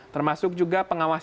termasuk juga pengawas tps